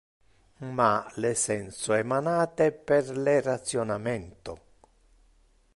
Ma le senso emanate per le rationamento.